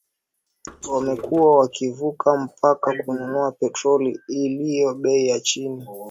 wamekuwa wakivuka mpaka kununua petroli iliyo bei ya chini